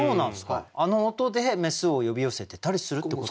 あの音でメスを呼び寄せてたりするってことなんですか？